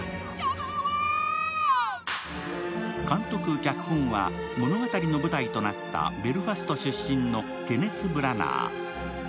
監督・脚本は物語の舞台となったベルファスト出身のケネス・ブラナー。